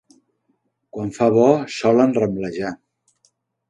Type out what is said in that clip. Quan fa bo solen ramblejar.